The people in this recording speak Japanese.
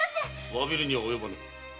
詫びるには及ばぬ。